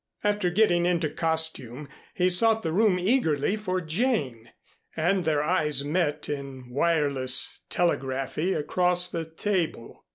After getting into costume he sought the room eagerly for Jane and their eyes met in wireless telegraphy across the table.